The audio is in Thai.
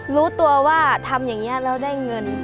รู้ตัวว่าทำอย่างนี้แล้วได้เงิน